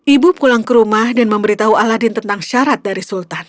ibu pulang ke rumah dan memberitahu aladin tentang syarat dari sultan